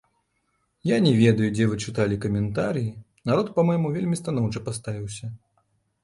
Я не ведаю, дзе вы чыталі каментарыі, народ па-мойму вельмі станоўча паставіўся.